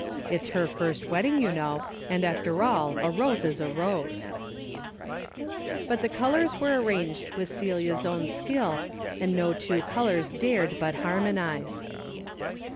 It's her first wedding, you know, and after all a rose is a rose." A DAILY rate: 337 But the colors were arranged with Celia's own skill, and no two colors dared but har monize.